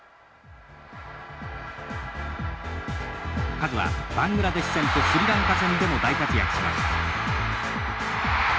カズはバングラデシュ戦とスリランカ戦でも大活躍します。